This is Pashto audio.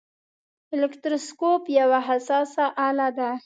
الکتروسکوپ یوه حساسه آله ده.